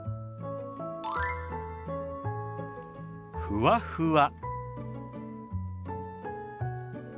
「ふわふわ」。